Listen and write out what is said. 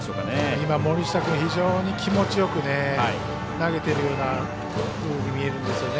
今、森下君非常に気持ちよく投げているようなふうに見えるんですよね。